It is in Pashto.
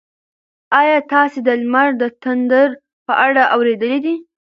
ایا تاسي د لمر د تندر په اړه اورېدلي دي؟